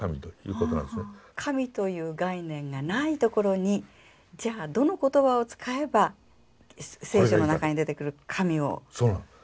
神という概念がないところにじゃあどの言葉を使えば聖書の中に出てくる神を表わせるか。